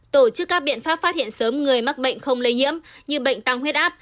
tổ chức các biện pháp phát hiện sớm người mắc bệnh không lây nhiễm như bệnh tăng huyết áp